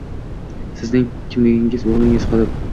Sizning kimligingiz o‘g‘lingiz qolib